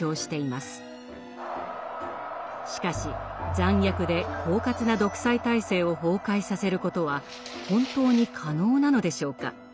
しかし残虐で狡猾な独裁体制を崩壊させることは本当に可能なのでしょうか？